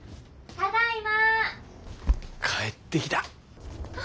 ただいま。